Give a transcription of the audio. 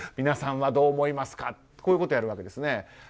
皆さんはどう思いますかとこういうことをやるわけです。